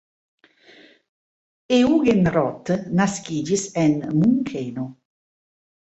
Eugen Roth naskiĝis en Munkeno.